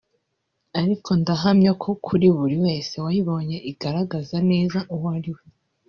ariko ndahamya ko kuri buri wese wayibonye igaragaza neza uwo ari we”